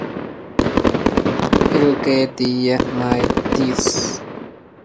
الأنس ساد برتبة الجمال